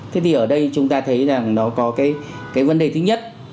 thế thì ở đây chúng ta thấy rằng nó có cái vấn đề thứ nhất